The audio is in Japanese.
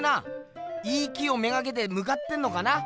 いい木を目がけてむかってんのかな？